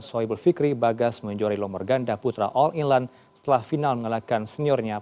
soebol fikri bagas menjorai lombor ganda putra all inland setelah final mengalahkan seniornya